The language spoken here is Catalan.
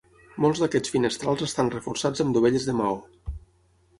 Molts d'aquests finestrals estan reforçats amb dovelles de maó.